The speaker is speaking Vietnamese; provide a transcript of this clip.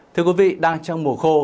thưa quý vị đang trong mùa khô